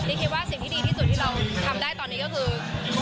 คิดว่าสิ่งที่ดีที่สุดที่เราทำได้ตอนนี้ก็คือ